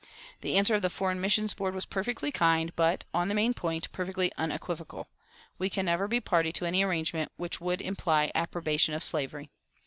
The answer of the Foreign Mission Board was perfectly kind, but, on the main point, perfectly unequivocal: "We can never be a party to any arrangement which would imply approbation of slavery."